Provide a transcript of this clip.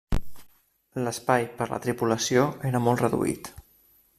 L'espai per la tripulació era molt reduït.